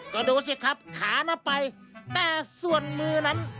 ก็ดูสิครับขานับไปแต่ส่วนมือนั้น